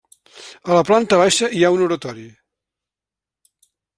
A la planta baixa hi ha un oratori.